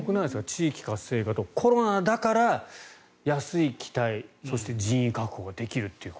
地域活性化とコロナだから安い機体そして人員確保ができるという。